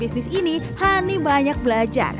bisnis ini hani banyak belajar